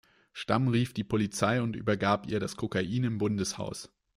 Stamm rief die Polizei und übergab ihr das Kokain im Bundeshaus.